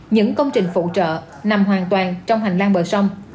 những công trình phụ trợ nằm hoàn toàn trong hành lang bờ sông